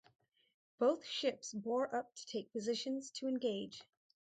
Both ships bore up to take positions to engage.